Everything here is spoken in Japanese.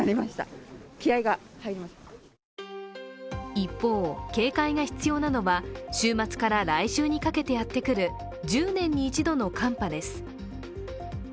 一方、警戒が必要なのは週末から来週にかけてやってくる１０年に一度の寒波です。